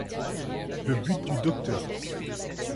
Le but du Dr.